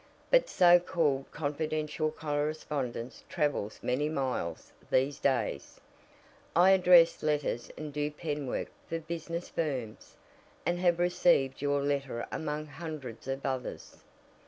"But so called confidential correspondence travels many miles these days. I address letters and do penwork for business firms, and have received your letter among hundreds of others."